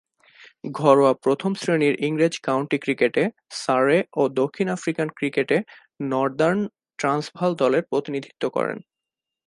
ঘরোয়া প্রথম-শ্রেণীর ইংরেজ কাউন্টি ক্রিকেটে সারে ও দক্ষিণ আফ্রিকান ক্রিকেটে নর্দার্ন ট্রান্সভাল দলের প্রতিনিধিত্ব করেন।